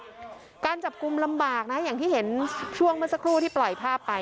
การจับกลุ่มลำบากนะอย่างที่เห็นช่วงเมื่อสักครู่ที่ปล่อยภาพไป